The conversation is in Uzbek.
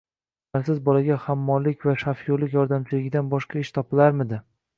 hunarsiz bolaga hammollik va shofyor yordamchiligidan boshqa ish topilarmidi?